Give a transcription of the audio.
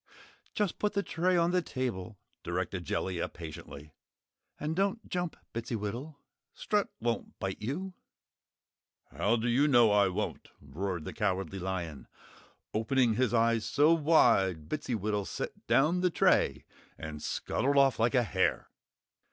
"Just put the tray on the table," directed Jellia, patiently. "And don't jump, Bittsywittle! Strut won't bite you." "How do you know I won't?" roared the Cowardly Lion, opening his eyes so wide Bittsywittle set down the tray and scuttled off like a hare.